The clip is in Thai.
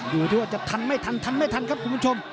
ดูที่ว่าจะทันไม่ทันครับคุณผู้ชม